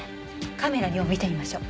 カメラ２を見てみましょう。